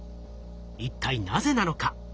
一体なぜなのか？